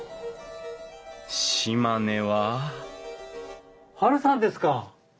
島根はハルさんですか！？